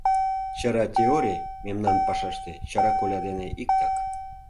Чара теорий мемнан пашаште чара коля дене иктак.